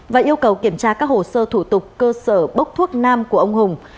và yêu cầu kiểm tra các hồ sơ thủ tục cơ sở bốc thuốc nam của ông hùng